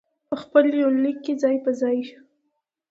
په خپل يونليک کې ځاى په ځاى کړي